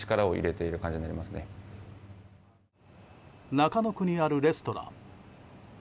中野区にあるレストラン。